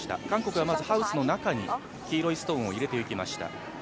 韓国はまずハウスの中に黄色いストーンを入れていきました。